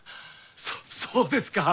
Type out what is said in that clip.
そそうですか！